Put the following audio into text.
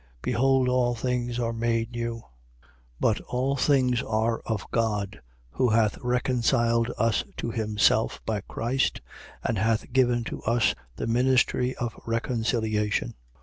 Behold all things are made new. 5:18. But all things are of God, who hath reconciled us to himself by Christ and hath given to us the ministry of reconciliation.